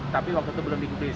tapi waktu itu belum digubris